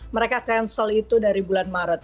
mereka cancel itu dari bulan maret